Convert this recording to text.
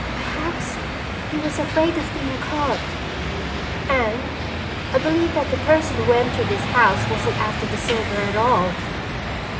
"Perhaps he was afraid of being caught." "Anne, I believe that the person who entered this house wasn't after the silver at all."